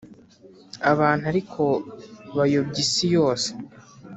abantu ariko bayobya isi yose